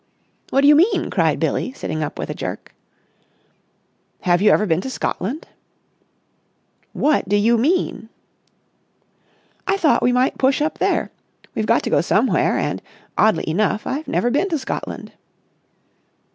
"What do you mean?" cried Billie, sitting up with a jerk. "Have you ever been to Scotland?" "What do you mean?" "I thought we might push up there. We've got to go somewhere and, oddly enough, I've never been to Scotland."